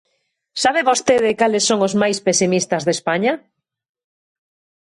¿Sabe vostede cales son os máis pesimistas de España?